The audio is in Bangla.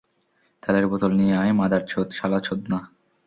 তেলের বোতল নিয়ে আয়, মাদারচোদ, শালা চোদনা!